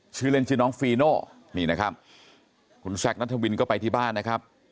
ชื่อเล่นชื่อน้องฟีโน่นี่นะครับคุณแซคนัทวินก็ไปที่บ้านนะครับ